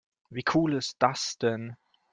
Wie cool ist das denn?